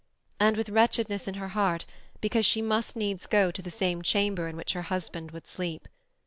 And with wretchedness in her heart, because she must needs go to the same chamber in which her husband would sleep.